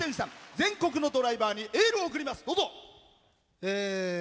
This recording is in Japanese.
全国のドライバーにエールを送ります。